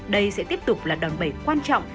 đây sẽ tiếp tục là đòn bẩy quan trọng